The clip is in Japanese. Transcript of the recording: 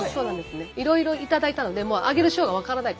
いろいろ頂いたのでもうあげる賞が分からないと。